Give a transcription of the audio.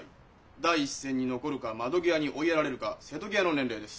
第一線に残るか窓際に追いやられるか瀬戸際の年齢です。